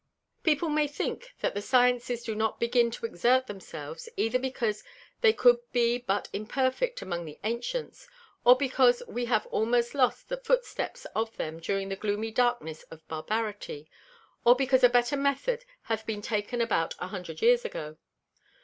People may think that the Sciences do not begin to exert themselves, either because they cou'd be but imperfect among the Ancients; or because we have almost lost the Footsteps of them during the gloomy Darkness of Barbarity; or because a better method hath been taken about 100 Years ago.